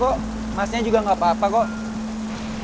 emasnya juga gak apa apa kok